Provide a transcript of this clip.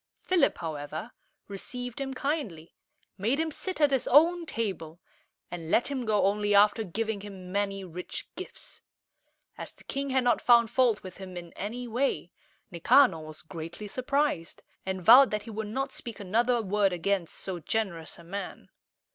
Philip, however, received him kindly, made him sit at his own table, and let him go only after giving him many rich gifts. As the king had not found fault with him in any way, Nicanor was greatly surprised, and vowed that he would not speak another word against so generous a man.